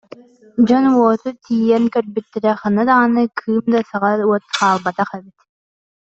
Дьон уоту тиийэн көрбүттэрэ, ханна даҕаны кыым да саҕа уот хаалбатах эбит